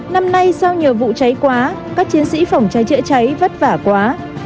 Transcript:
năm nay sau nhiều vụ cháy quá các chiến sĩ phòng cháy chữa cháy vất vả quá